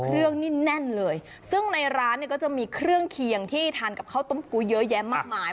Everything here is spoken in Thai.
เครื่องนี่แน่นเลยซึ่งในร้านเนี่ยก็จะมีเครื่องเคียงที่ทานกับข้าวต้มกุ้ยเยอะแยะมากมาย